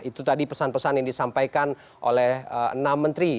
itu tadi pesan pesan yang disampaikan oleh enam menteri